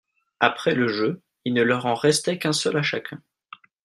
Après le jeu, il ne leur en restait qu'un seul à chacun.